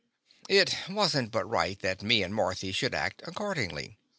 It was n't but right that me and Marthy should act accordingly.